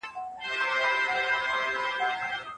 ده د خپل وخت ارزښت درک کړی و.